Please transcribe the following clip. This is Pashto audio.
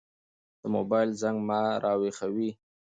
د موبايل زنګ ما راويښوي.